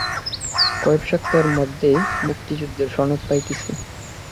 কয়েক সপ্তাহের মধ্যেই মুক্তিযোদ্ধার সনদ পাইতেছি।